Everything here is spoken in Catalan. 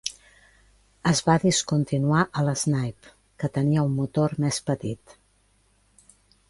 Es va discontinuar el Snipe, que tenia un motor més petit.